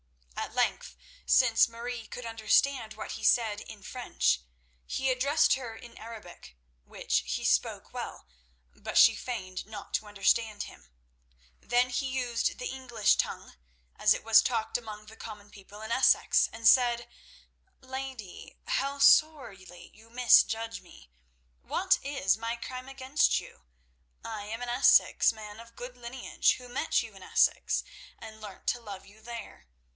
At length, since Marie could understand what he said in French, he addressed her in Arabic, which he spoke well, but she feigned not to understand him. Then he used the English tongue as it was talked among the common people in Essex, and said: "Lady, how sorely you misjudge me. What is my crime against you? I am an Essex man of good lineage, who met you in Essex and learnt to love you there.